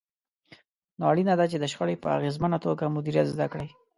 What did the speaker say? نو اړينه ده چې د شخړې په اغېزمنه توګه مديريت زده کړئ.